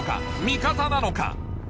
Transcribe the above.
味方なのか？